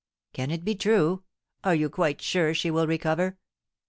"Can it be true? Are you quite sure she will recover?"